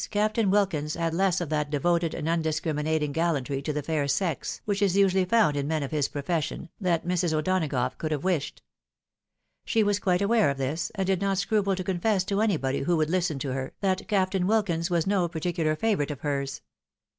Captain Wilkins had less of that devoted and undisoriminating gallantry to the fair sex, which is usually found in men of his profession, than Mrs. O'Donagough could have wished ; she was quite aware of this, and did not scruple to confess to anybody who would Hsten to her, that Captain Wilkins was no particular favourite of hers.